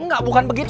gak bukan begitu